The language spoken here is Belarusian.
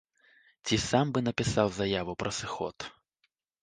Ці сам бы напісаў заяву пра сыход.